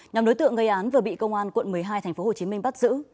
nhóm đối tượng gây án vừa bị công an quận một mươi hai tp hcm bắt giữ